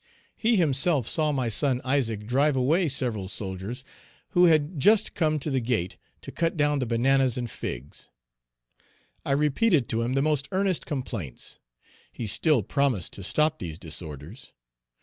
He himself saw my son Isaac drive away several soldiers who had just come to the gate to cut down the bananas and figs. I repeated to him the most earnest complaints. He still promised to stop these disorders.